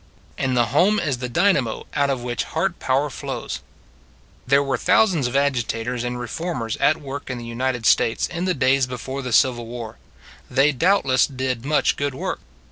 And the home is the dynamo out of which heart power flows. There were thousands of agitators and reformers at work in the United States in the days before the Civil War. They doubtless did much good work.